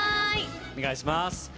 お願いします。